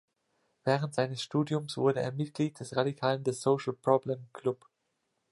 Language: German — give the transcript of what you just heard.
Während seines Studiums wurde er Mitglied des radikalen The Social Problem Club.